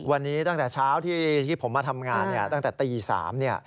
วันนี้ตั้งแต่เช้าที่ผมมาทำงานเนี่ยตั้งแต่ตี๓เนี่ย